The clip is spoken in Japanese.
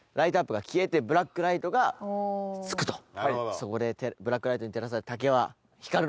そこでブラックライトに照らされた。